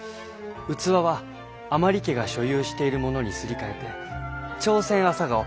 器は甘利家が所有しているものにすり替えてチョウセンアサガオ